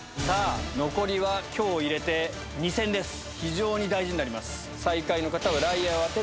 残りは今日入れて２戦です非常に大事になります。